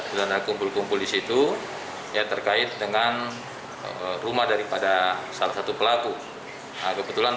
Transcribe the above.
berada kumpul kumpul disitu ya terkait dengan rumah daripada salah satu pelaku kebetulan